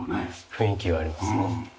雰囲気がありますね。